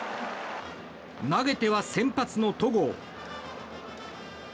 投げては先発の戸郷。